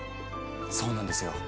そうなんですよ。